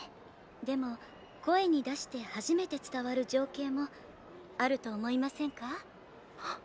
でも声に出して初めて伝わる情景もあると思いませんか？